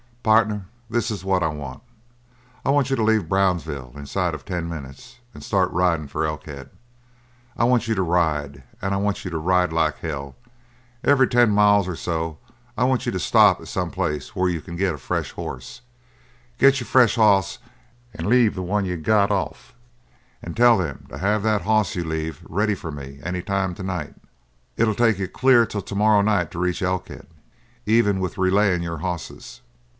"Partner, this is what I want. I want you to leave Brownsville inside of ten minutes and start riding for Elkhead. I want you to ride, and I want you to ride like hell. Every ten miles, or so, I want you to stop at some place where you can get a fresh hoss. Get your fresh hoss and leave the one you've got off, and tell them to have the hoss you leave ready for me any time to night. It'll take you clear till to morrow night to reach Elkhead, even with relayin' your hosses?"